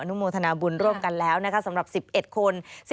อนุมฐนาบุญรวมกันแล้วสำหรับ๑๑คน